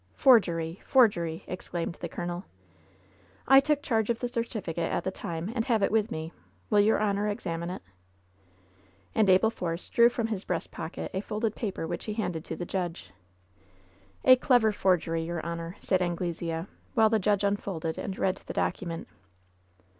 '' "Forgery! forgery!'' exclaimed the colonel. "I took charge of the certificate at the time and have it with me. Will your honor examine it ?" And Abel Force drew from his breast pocket a folded paper which he handed ^to the judge. "A clever forgery, your honor !" said Anglesea, while the judge unfolded and read the document.